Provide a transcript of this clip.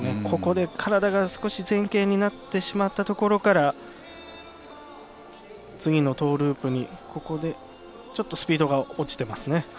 ここで体が少し前傾になってしまったところから、次のトーループに、ここでちょっとスピードが落ちていますね。